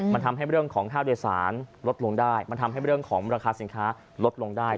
มันทำให้เรื่องของค่าโดยสารลดลงได้มันทำให้เรื่องของราคาสินค้าลดลงได้